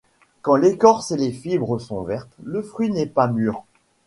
Quand l'écorce et les fibres sont vertes, le fruit n'est pas mûr.